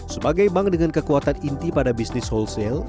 sebagai bank dengan kekuatan inti pada bisnis wholesale